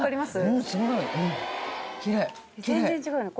全然違うよね。